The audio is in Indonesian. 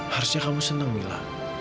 harusnya kamu senang mila